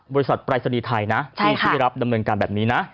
บริษัทปรายศนีย์ไทยชื่อถ้ารับดำเนินการแบบนี้นะ